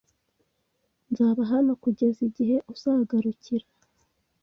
Nzaba hano kugeza igihe uzagarukira.